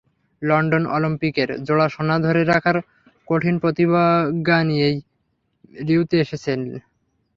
London অলিম্পিকের জোড়া সোনা ধরে রাখার কঠিন প্রতিজ্ঞা নিয়েই রিওতে এসেছিলেন।